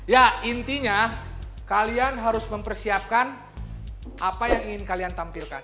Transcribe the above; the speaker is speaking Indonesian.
ya intinya kalian harus mempersiapkan apa yang ingin kalian tampilkan